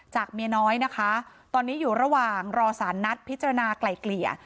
เมียน้อยนะคะตอนนี้อยู่ระหว่างรอสารนัดพิจารณาไกล่เกลี่ย